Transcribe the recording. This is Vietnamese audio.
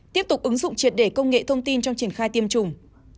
tiếp tục ứng dụng triệt để công nghệ thông tin trong triển khai tiêm chủng